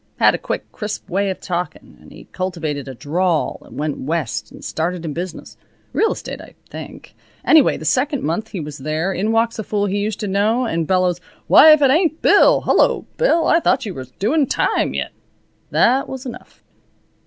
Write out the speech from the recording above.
Had a quick, crisp way of talkin', and he cultivated a drawl and went west and started in business. Real estate, I think. Anyway, the second month he was there in walks a fool he used to know and bellows: 'Why if it ain't Bill! Hello, Bill! I thought you was doing time yet.' That was enough.